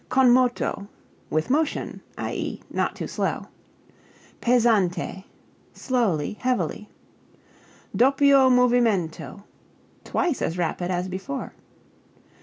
Con moto with motion; i.e., not too slow. Pesante slowly, heavily. Doppio movimento twice as rapid as before.